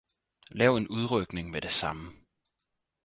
Lav en udrykning med det samme